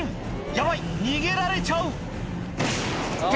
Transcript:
ヤバい逃げられちゃう！って